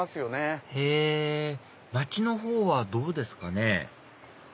へぇ街のほうはどうですかね？